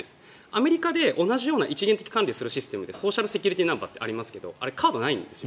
アメリカで同じように一元的管理をするソーシャルセキュリティーナンバーってありますけどあれ、カードないんです。